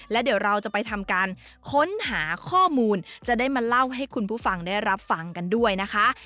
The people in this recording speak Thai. แล้วเดี๋ยวเราจะไปทำการค้นหาข้อมูลจะได้มาเล่าให้คุณผู้ฟังได้รับฟังกันด้วยนะคะ